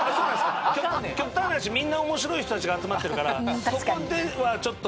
極端な話みんな面白い人たちが集まってるからそこではちょっと。